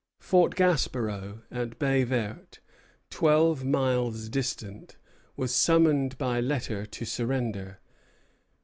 Fort Gaspereau, at Baye Verte, twelve miles distant, was summoned by letter to surrender.